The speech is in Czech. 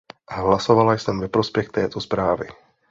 Hlasovala jsem ve prospěch této zprávy.